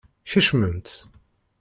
Kecmemt!